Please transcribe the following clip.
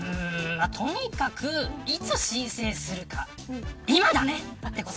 とにかく、いつ申請するか今だね。